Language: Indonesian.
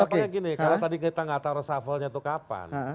kalau tadi kita gak tahu resafalnya itu kapan